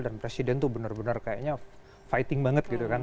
dan presiden tuh bener bener kayaknya fighting banget gitu kan